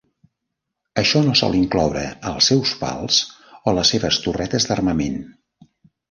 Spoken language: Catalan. Això no sol incloure els seus pals o les seves torretes d'armament.